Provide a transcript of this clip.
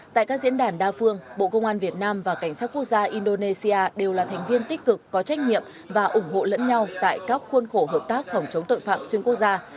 tại các diễn đàn đa phương bộ công an việt nam và cảnh sát quốc gia indonesia đều là thành viên tích cực có trách nhiệm và ủng hộ lẫn nhau tại các khuôn khổ hợp tác phòng chống tội phạm xuyên quốc gia